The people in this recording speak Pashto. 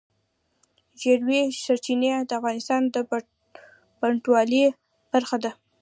ژورې سرچینې د افغانستان د بڼوالۍ برخه ده.